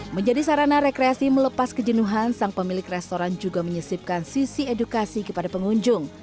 menjadi sarana rekreasi melepas kejenuhan sang pemilik restoran juga menyesipkan sisi edukasi kepada pengunjung